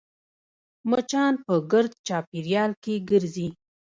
مچان په ګرد چاپېریال کې ګرځي